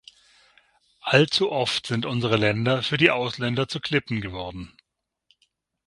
Allzu oft sind unsere Länder für die Ausländer zu Klippen geworden.